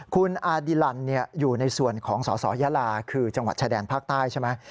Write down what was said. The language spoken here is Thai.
คุณอาดิลันอยู่ในส่วนของสสยาลาคือจังหวัดชายแดนภาคใต้ใช่ไหม